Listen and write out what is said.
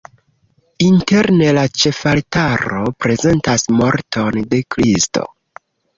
Interne la ĉefaltaro prezentas morton de Kristo.